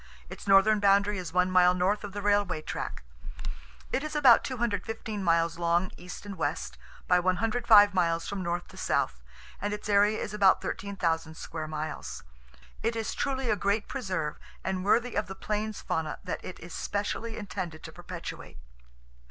Its northern boundary is one mile north of the railway track. It is about 215 miles long east and west by 105 miles from north to south, and its area is about 13,000 square miles. It is truly a great preserve, and worthy of the plains fauna that it is specially intended to perpetuate.